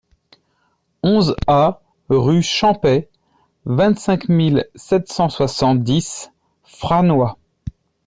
onze A rue Champey, vingt-cinq mille sept cent soixante-dix Franois